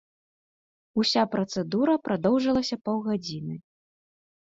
Уся працэдура прадоўжылася паўгадзіны.